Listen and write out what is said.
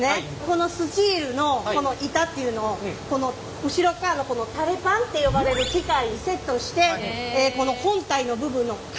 このスチールのこの板っていうのを後ろっかわのこのタレパンって呼ばれる機械にセットしてこの本体の部分の型を抜き打つと。